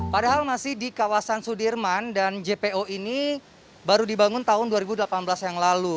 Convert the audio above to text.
padahal masih di kawasan sudirman dan jpo ini baru dibangun tahun dua ribu delapan belas yang lalu